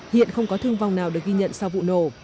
hiện không có thương vong nào được ghi nhận sau vụ nổ